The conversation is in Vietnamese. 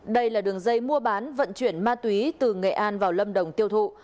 đây là đường dây mua bán vận chuyển ma túy từ nghệ an vào lâm đồng tiêu thụ